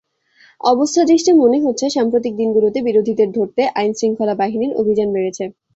অবস্থাদৃষ্টে মনে হচ্ছে, সাম্প্রতিক দিনগুলোতে বিরোধীদের ধরতে আইনশৃঙ্খলা বাহিনীর অভিযান বেড়েছে।